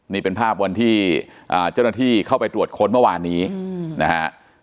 นี่เป็นภาพวันที่เจ้าหน้าที่เข้าไปตรวจค้นเมื่อวานนี้นะฮะ